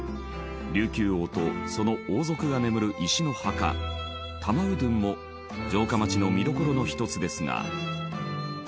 琉球王とその王族が眠る石の墓玉陵も城下町の見どころの一つですが。